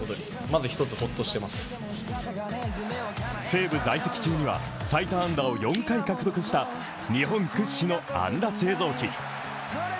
西武在籍中には、最多安打を４回獲得した日本屈指の安打製造機。